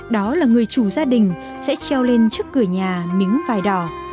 đó là người chủ gia đình sẽ treo lên trước cửa nhà miếng vải đỏ